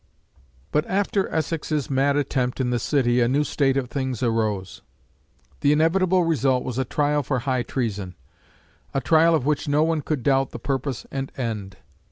But after Essex's mad attempt in the city a new state of things arose. The inevitable result was a trial for high treason, a trial of which no one could doubt the purpose and end.